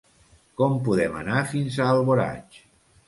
Com podem anar fins a Alboraig?